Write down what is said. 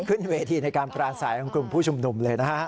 ขึ้นเวทีในการปราศัยของกลุ่มผู้ชุมนุมเลยนะฮะ